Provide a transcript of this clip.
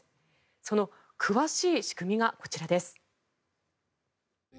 その詳しい仕組みがこちらです。